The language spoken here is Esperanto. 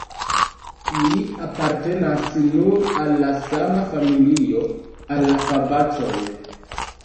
Ili apartenas nur al la sama familio, al la fabacoj.